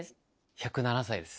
１０７歳です。